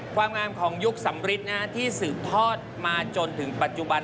ความงามของยุคสำริทที่สืบทอดมาจนถึงปัจจุบัน